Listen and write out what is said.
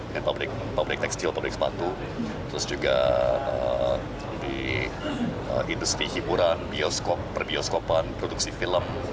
di publik tekstil publik sepatu terus juga di industri hiburan bioskop perbioskopan produksi film